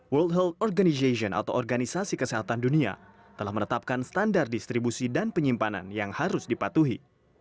world health organization atau organisasi kesehatan dunia telah menetapkan standar distribusi dan penyimpanan yang harus dipatuhi